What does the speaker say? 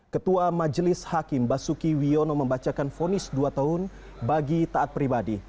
ketua majelis hakim basuki wiono membacakan fonis dua tahun bagi taat pribadi